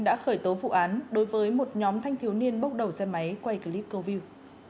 đã khởi tố vụ án đối với một nhóm thanh thiếu niên bốc đầu xe máy quay clip câu view